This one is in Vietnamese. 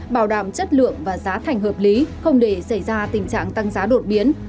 bảo đảm chất lượng và giá thành hợp lý không để xảy ra tình trạng tăng giá đột biến